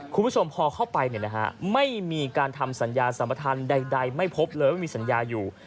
คุณผู้ชมพอเข้าไปเนี่ยนะฮะไม่มีการทำสัญญาสรรพทันใดไม่พบเลยไม่มีสัญญาอยู่